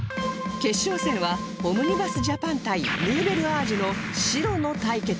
決勝戦はオムニバス・ジャパン対ヌーベルアージュの白の対決